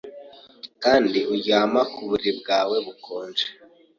Kandi kuryama mu buriri bwawe bukonje